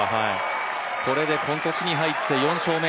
これで今年に入って４勝目。